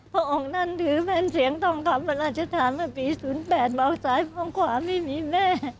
พระองค์นั้นถือเป็นเสียงทองคำพระราชทานเมื่อปี๐๘เบาซ้ายมองขวาไม่มีแน่